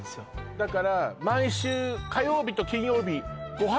だから毎週火曜日と金曜日ご飯